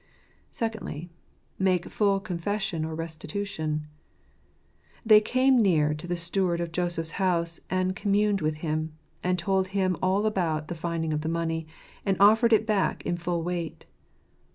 Secondly, Make full confession or restitution. "They came near to the steward of Joseph's house and communed with him," and told him all about the finding of the money, and offered it back in full weight.